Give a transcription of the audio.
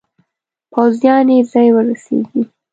پوځیان یې ځای ورسیږي.